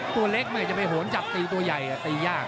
ตัวเล็กค่อยจะไปหวนจับตีตัวใหญ่แต่ตียาก